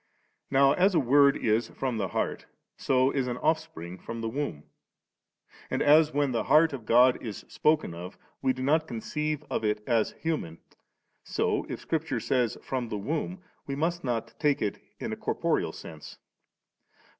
Now as a word is from the heart, so is an offspring from the womb ; and as when the heart of God is spoken of, we do not conceive of it as human, so if Scripture sajTs ' from the womb,' we must not take it in a corporeal sense.